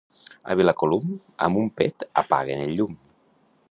A Vilacolum, amb un pet apaguen el llum.